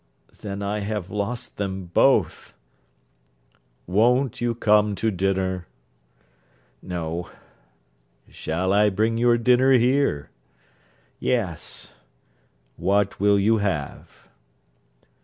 'Then I have lost them both.' 'Won't you come to dinner?' 'No.' 'Shall I bring your dinner here?' 'Yes.' 'What will you have?'